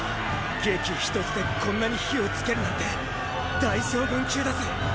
檄一つでこんなに火をつけるなんて大将軍級だぜ！